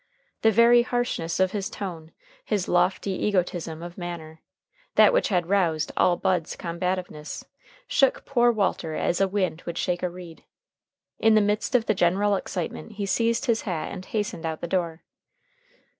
The very harshness of his tone, his lofty egotism of manner, that which had roused all Bud's combativeness, shook poor Walter as a wind would shake a reed. In the midst of the general excitement he seized his hat and hastened out the door.